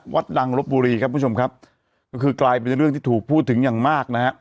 วัดดังรครบบุรีครับมงคือไกลไปตัวเรื่องที่ถูกพูดถึงอย่างมากนะครับ